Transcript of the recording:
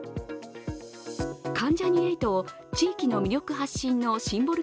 関ジャニ∞を地域の魅力発信のシンボル